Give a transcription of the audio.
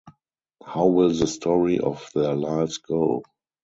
How will the story of their lives go?